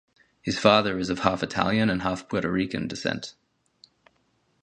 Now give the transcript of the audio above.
His father is of half Italian and half Puerto Rican descent.